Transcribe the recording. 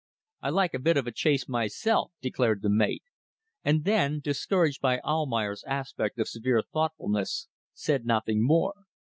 "I like a bit of a chase myself," declared the mate, and then, discouraged by Almayer's aspect of severe thoughtfulness, said nothing more.